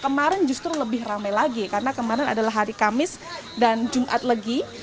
kemarin justru lebih ramai lagi karena kemarin adalah hari kamis dan jumat lagi